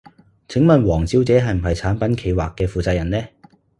請問王小姐係唔係產品企劃嘅負責人呢？